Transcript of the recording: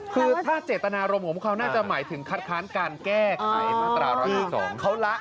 คือถ้าเจตนารมณ์ของพวกเขาน่าจะหมายถึงคัดค้านการแก้ไขมาตรา๑๑๒เขาละ